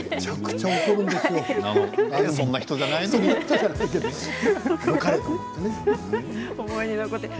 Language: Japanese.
そんな人じゃないのに。